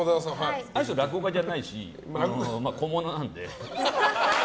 あの人、落語家じゃないし小物なんで。